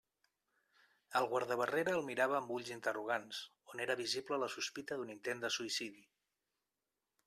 El guardabarrera el mirava amb ulls interrogants, on era visible la sospita d'un intent de suïcidi.